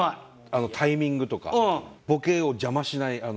タイミングとかボケを邪魔しないあの。